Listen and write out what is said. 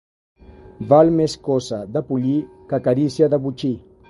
Val més coça de pollí que carícia de botxí.